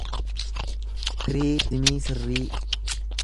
piriizimii sirrii